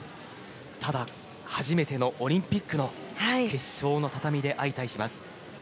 ただ、初めてのオリンピックの決勝の畳で相対します。